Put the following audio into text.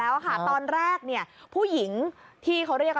ด้วยความเคารพนะคุณผู้ชมในโลกโซเชียล